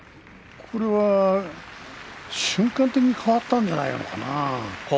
これは瞬間的に変わったんじゃないのかな。